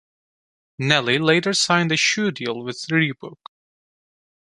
Nelly later signed a shoe deal with Reebok.